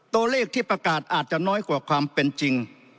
ตัวเลขที่ประกาศอาจจะน้อยกว่าความเป็นจริง